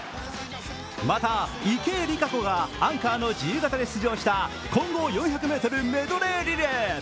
また池江璃花子がアンカーの自由形で出場した混合４００ｍメドレーリレー。